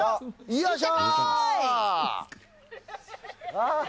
よいしょ。